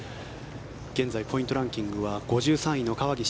現在ポイントランキングは５３位の川岸。